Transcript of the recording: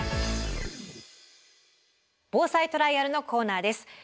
防災トライアルのコーナーです。